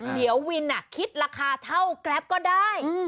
เดี๋ยววินคิดราคาเท่าแกรปก็ได้